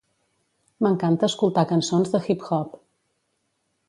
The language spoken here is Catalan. M'encanta escoltar cançons de hip-hop.